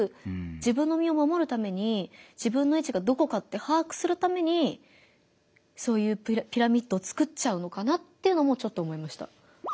自分の身をまもるために自分の位置がどこかって把握するためにそういうピラミッドを作っちゃうのかなっていうのもちょっと思いました。